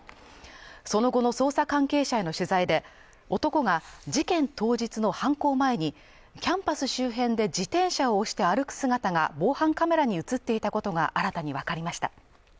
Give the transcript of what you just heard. その後の捜査関係者への取材で男が事件当日の犯行前にキャンパス周辺で自転車を押して歩く姿が防犯カメラに映っていたことが新たに分かりました